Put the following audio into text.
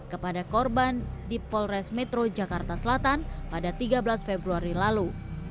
kepada korban di polres metro jakarta selatan pada tiga belas februari lalu